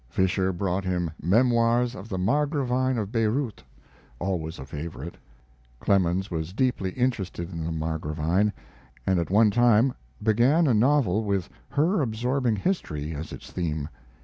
Fischer brought him Memoirs of the Margravine of Bayreuth, always a favorite. [Clemens was deeply interested in the Margravine, and at one time began a novel with her absorbing history as its theme.